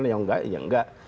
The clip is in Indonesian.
kalau tidak ya tidak